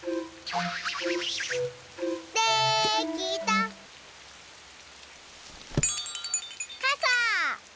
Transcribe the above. できた！かさ！